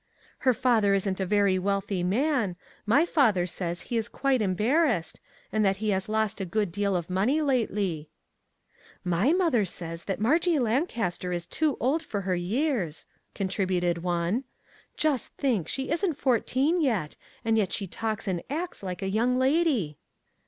Her father isn't a very wealthy man; my father says he is quite em barrassed, and that he has lost a good deal of money lately." " My mother says that Margie Lancaster is too old for her years," contributed one. " Just 3 1 ? MAG AND MARGARET think ! she isn't fourteen yet, and she talks and acts like a young lady."